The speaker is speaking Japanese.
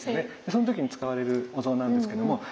その時に使われるお像なんですけども。